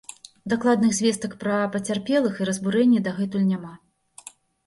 Дакладных звестак пра пацярпелых і разбурэнні дагэтуль няма.